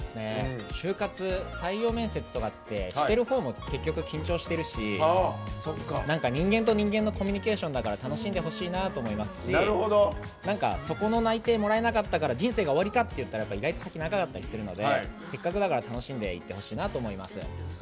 就活採用面接とかってしているほうも結局緊張しているし人間と人間のコミュニケーションだから楽しんでほしいなと思いますしそこの内定をもらえなかったからって人生が終わりかっていったら意外と、先が長かったりするのでせっかくだから楽しんでほしいなと思います。